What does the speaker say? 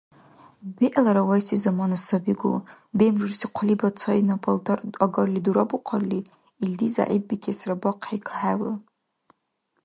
БегӀлара вайси замана сабигу, бемжурси хъулибад цайна палтар агарли дурабухъалли, илди зягӀипбикесра бахъхӀи кахӀевлан.